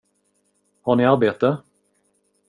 Har ni arbete?